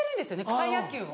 草野球を。